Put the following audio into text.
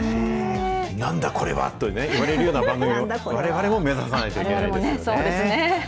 なんだこれは！と言われるような番組を、われわれも目指さないといけないですよね。